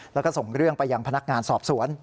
แล้วก็ส่งเรื่องไปยังพนักงานสอบสวน